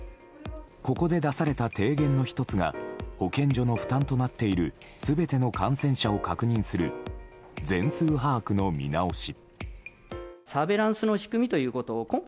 ここで出された提言の１つが保健所の負担となっている全ての感染者を確認する全数把握の見直し。